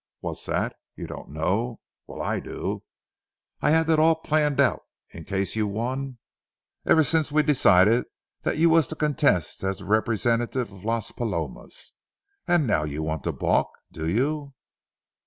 What's that? You don't know? Well, I do. I've had that all planned out, in case you won, ever since we decided that you was to contest as the representative of Las Palomas. And now you want to balk, do you?"